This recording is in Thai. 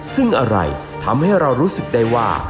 ซึ่งอะไรทำให้เรารู้สึกได้ว่า